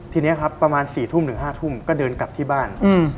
ทีนี้ครับประมาณ๔ทุ่มถึง๕ทุ่มก็เดินกลับที่บ้าน